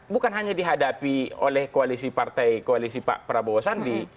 bukan hanya dihadapi oleh koalisi partai koalisi pak prabowo sandi